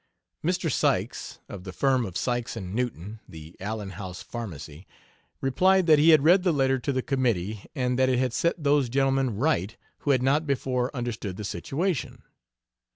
Mr. Sykes (of the firm of Sykes & Newton, the Allen House Pharmacy) replied that he had read the letter to the committee and that it had set those gentlemen right who had not before understood the situation.